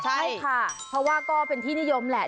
ใช่ค่ะเพราะว่าก็เป็นที่นิยมแหละ